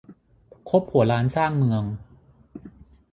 คบหัวล้านสร้างเมือง